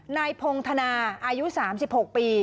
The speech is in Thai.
นายพงธนาอายุ๓๖ปี